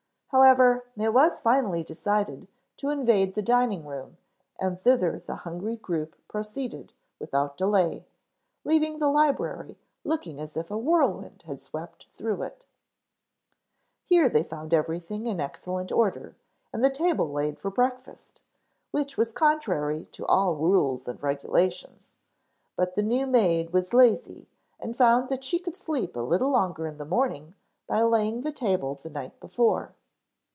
However, it was finally decided to invade the dining room and thither the hungry group proceeded without delay, leaving the library looking as if a whirlwind had swept through it. Here they found everything in excellent order and the table laid for breakfast, which was contrary to all rules and regulations. But the new maid was lazy and found that she could sleep a little longer in the morning by laying the table the night before.